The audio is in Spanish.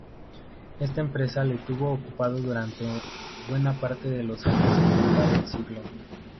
Esta empresa le tuvo ocupado durante buena parte de los años setenta del siglo.